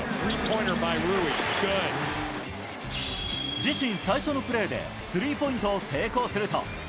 自身最初のプレーでスリーポイントを成功すると。